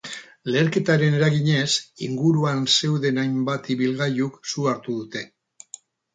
Leherketaren eraginez, inguruan zeuden hainbat ibilgailuk su hartu dute.